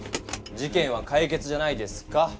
事けんはかい決じゃないですか？